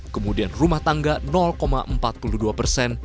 kemudian rumah tangga empat puluh dua persen